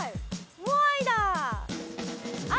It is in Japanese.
モアイだあ！